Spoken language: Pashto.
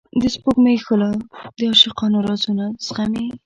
د سپوږمۍ ښکلا د عاشقانو رازونه زغمي.